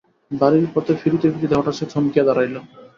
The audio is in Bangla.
বাড়ির পথে ফিরিতে ফিরিতে হঠাৎ সে থমকিয়া দাঁড়াইল।